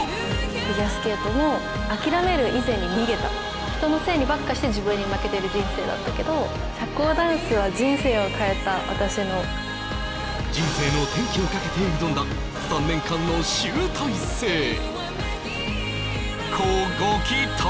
フィギュアスケートも諦める以前に逃げた人のせいにばっかして自分に負けてる人生だったけど私の人生の転機をかけて挑んだ３年間の集大成乞うご期待